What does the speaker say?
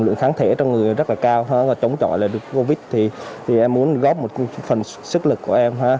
lượng kháng thể trong người rất là cao và chống chọi là covid thì em muốn góp một phần sức lực của em